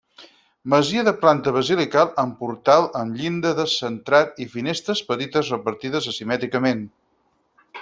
Masia de planta basilical amb portal amb llinda descentrat i finestres petites repartides asimètricament.